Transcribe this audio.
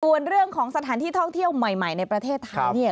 ส่วนเรื่องของสถานที่ท่องเที่ยวใหม่ในประเทศไทยเนี่ย